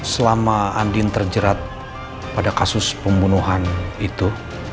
selama andin terjerat pada kasus pembunuhan itu